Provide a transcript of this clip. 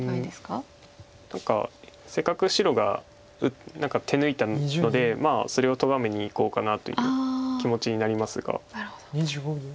何かせっかく白が手抜いたのでそれをとがめにいこうかなという気持ちになりますが。